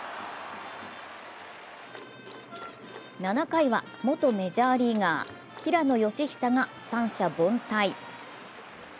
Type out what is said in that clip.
７回は元メジャーリーガー・平野佳寿が三者凡退。